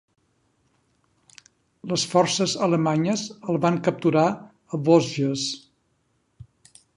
Les forces alemanyes el van capturar a Vosges.